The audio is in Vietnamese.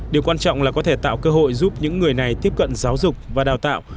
điều quan trọng là có thể tạo cơ hội giúp những người này tiếp cận giáo dục và đào tạo